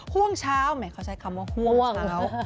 ห่วงเช้าแหมเขาใช้คำว่าห่วงเขา